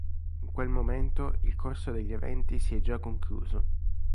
In quel momento, il corso degli eventi si è già concluso.